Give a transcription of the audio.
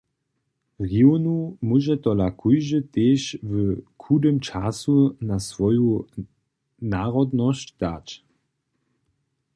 Hriwnu móže tola kóždy tež w chudym času za swoju narodnosć dać.